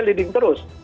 kita bisa leading terus